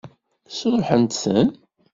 Sṛuḥent-ten?